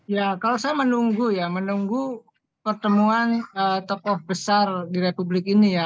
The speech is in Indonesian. ya kalau saya menunggu ya menunggu pertemuan tokoh besar di republik ini ya